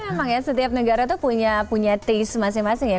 memang ya setiap negara itu punya taste masing masing ya